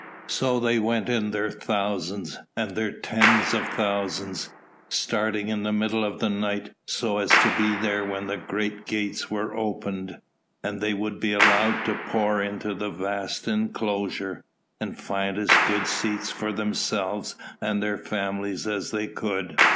So they went in their thousands and their tens of thousands, starting in the middle of the night so as to be there when the great gates were opened, and they would be allowed to pour into the vast enclosure, and find as good seats for themselves and their families as they could.